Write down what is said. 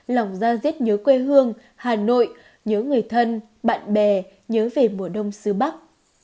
lòng ra rết nhớ quê hương hà nội nhớ người thân bạn bè nhớ về mùa đông xứ bắc